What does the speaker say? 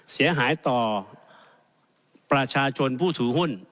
เสียหายต่อประชาชนผู้ถือหุ้น